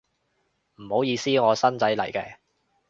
唔好意思，我新仔嚟嘅